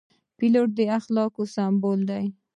پیلوټ د اخلاقو سمبول دی.